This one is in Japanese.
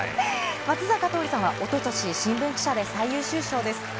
松坂桃李さんはおととし、新聞記者で最優秀賞です。